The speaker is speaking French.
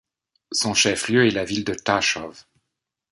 Son chef-lieu est la ville de Tachov.